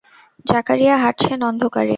জাকারিয়া হাঁটছেন অন্ধকারে।